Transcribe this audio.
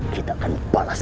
kita akan balas